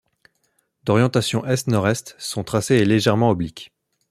D'orientation est-nord-est, son tracé est légèrement oblique.